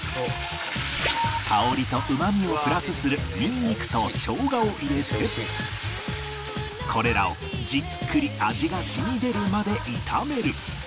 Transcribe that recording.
香りとうまみをプラスするニンニクと生姜を入れてこれらをじっくり味が染み出るまで炒める